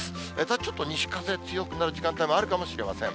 ちょっと西風強くなる時間帯もあるかもしれません。